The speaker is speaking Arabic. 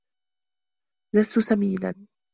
لست سمينا!